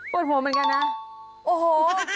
ดหัวเหมือนกันนะโอ้โห